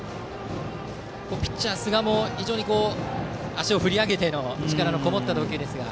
ピッチャー、寿賀も非常に足を振り上げての力のこもった投球ですが。